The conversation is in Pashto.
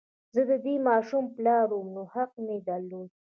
زه د دې ماشوم پلار وم نو حق مې درلود